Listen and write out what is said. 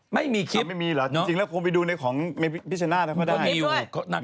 ไม่มีคลิปไม่มีจริงแล้วก็คงไปดูในของพิเศน่าอย่างนั้นก็ได้